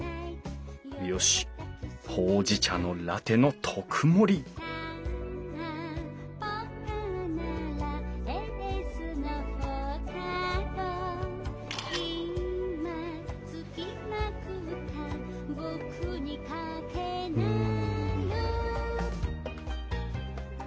よしほうじ茶のラテの特盛りうん。